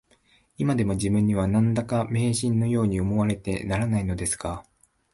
いまでも自分には、何だか迷信のように思われてならないのですが